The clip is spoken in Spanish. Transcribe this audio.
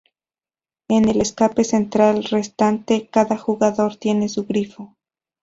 En el escaque central restante, cada jugador tiene su grifo.